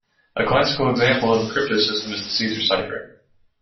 A classical example of a cryptosystem is the Caesar cipher.